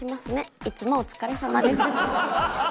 いつもお疲れさまです。